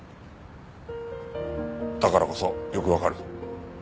だからこそよくわかる。